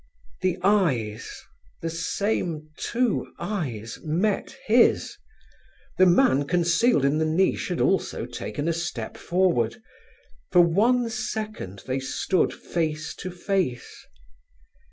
The eyes—the same two eyes—met his! The man concealed in the niche had also taken a step forward. For one second they stood face to face.